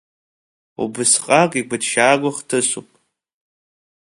Убысҟак игәыҭшьаагоу хҭысуп.